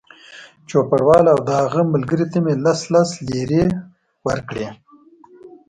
چوپړوال او د هغه ملګري ته مې لس لس لېرې ورکړې.